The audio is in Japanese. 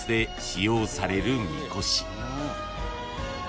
使用されるみこし］